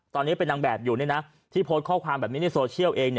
ตอนนี้เป็นนางแบบอยู่ที่โพสต์ข้อความแบบนี้ในโซเชียลเอง